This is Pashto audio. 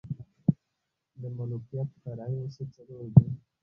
د ملوکیت فرعي اصول څلور دي.